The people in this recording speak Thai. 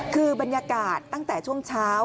คือบรรยากาศตั้งแต่ช่วงเช้า